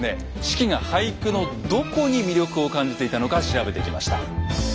子規が俳句のどこに魅力を感じていたのか調べてきました。